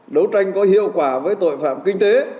đấu tranh có hiệu quả với tội phạm kinh tế